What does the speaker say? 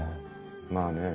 まあねえ